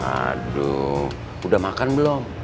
aduh udah makan belum